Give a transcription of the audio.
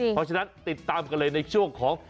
เพราะฉะนั้นติดตามกันเลยในช่วงของ